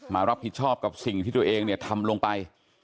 รับผิดชอบกับสิ่งที่ตัวเองเนี่ยทำลงไป